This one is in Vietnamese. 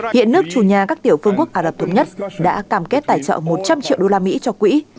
hiện nước chủ nhà các tiểu phương quốc ả rập thống nhất đã cam kết tài trợ một trăm linh triệu đô la mỹ cho quỹ